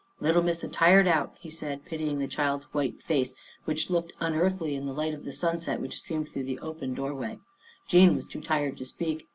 " Little Missa tired out," he said, pitying the child's white face, which looked unearthly in the light of the sunset which streamed through the open doorway. Jean was too tired to speak.